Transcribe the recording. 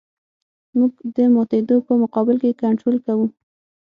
موږ د ماتېدو په مقابل کې کنټرول کوو